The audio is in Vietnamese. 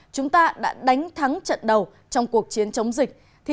chúng ta đã đánh thắng trận đầu trong cuộc chiến chống dịch